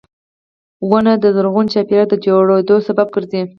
• ونه د زرغون چاپېریال د جوړېدو سبب ګرځي.